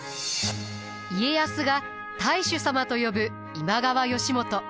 家康が太守様と呼ぶ今川義元。